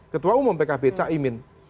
ketua umum pkb caimin